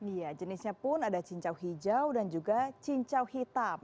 iya jenisnya pun ada cincau hijau dan juga cincau hitam